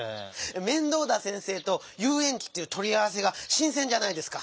面倒田先生とゆうえんちっていうとりあわせがしんせんじゃないですか。